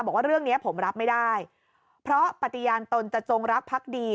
บอกว่าเรื่องนี้ผมรับไม่ได้เพราะปฏิญาณตนจะจงรักพักดี